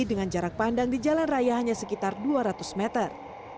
dengan jarak pandang di jalan raya hanya sekitar dua ratus meter